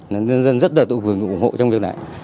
nên nhân dân rất đợi tụi mình ủng hộ trong việc này